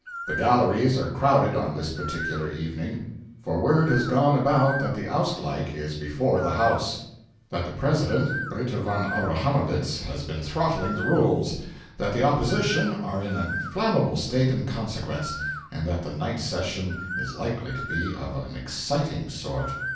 The galleries are crowded on this particular evening, for word has gone about that the Ausgleich is before the House; that the President, Ritter von Abrahamowicz, has been throttling the Rules; that the Opposition are in an inflammable state in consequence, and that the night session is likely to be of an exciting sort.